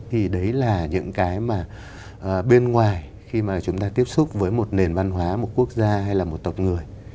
thì đấy là những cái mà bên ngoài khi mà chúng ta tiếp xúc với một nền văn hóa một quốc gia hay là một tộc người